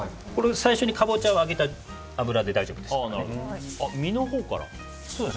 最初にカボチャを揚げた油で身のほうから？